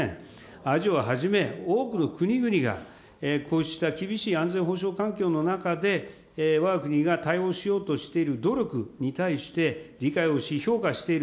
アジアをはじめ、多くの国々がこうした厳しい安全保障環境の中で、わが国が対応しようとしている努力に対して、理解をし、評価をしている。